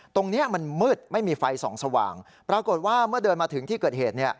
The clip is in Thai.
ตรงนี้มันมืดไม่มีไฟส่องสว่างปรากฏว่าเมื่อเดินมาถึงที่เกิดเหตุ